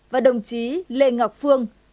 và đồng chí lê ngọc phương